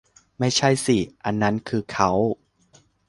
ไม่ใช่สิ อันนั้นคือเคาน์